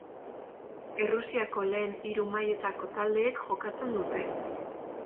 Errusiako lehen hiru mailetako taldeek jokatzen dute.